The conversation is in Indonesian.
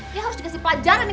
dia harus dikasih pelajaran nih